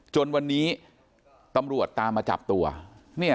จนวันนี้ตำรวจตามมาจับตัว